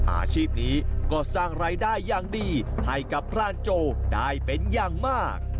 อาชีพนี้ก็สร้างรายได้อย่างดีให้กับพรานโจได้เป็นอย่างมาก